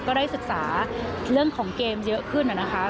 ก็ได้ศึกษาเรื่องของเกมเยอะขึ้นนะคะ